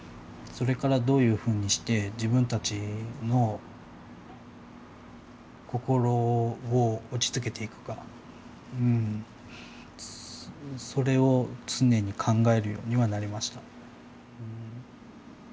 それからどういうふうにして自分たちの心を落ち着けていくかそれを常に考えるようにはなりました。